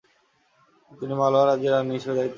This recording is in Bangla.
তিনি মালওয়া রাজ্যের রানী হিসাবে দায়িত্বভার নেন।